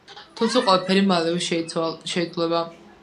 თუმცა ყველაფერი მალევე შეიცვლება.